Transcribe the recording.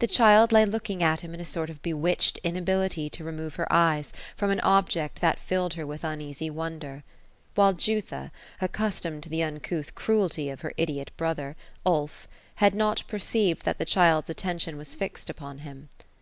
Th3 child lay looking at him in a sort of bewitohed inability to remove her eyes from an object that filled her with uneasy wonder ; while Jutha, accustomed to the uncouth cruelty of her idiot brother, Ulf, had not per ceived that the child's attention was fixed upon him.